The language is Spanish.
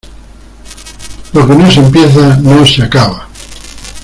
Lo que no se empieza, no se acaba.